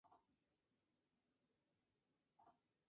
Funciona en Microsoft Windows.